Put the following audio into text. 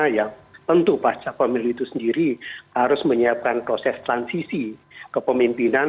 yang tentu pasca pemilu itu sendiri harus menyiapkan proses transisi kepemimpinan